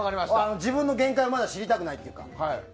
自分の限界をまだ知りたくないというか。